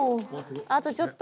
あとちょっと。